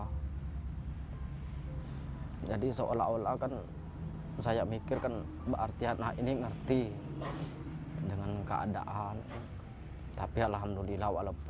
hai jadi seolah olah kan saya mikirkan mbak artiana ini ngerti dengan keadaan tapi alhamdulillah walaupun